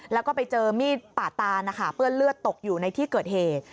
แล้วก็ไปเจอมีดป่าตานนะคะเปื้อนเลือดตกอยู่ในที่เกิดเหตุ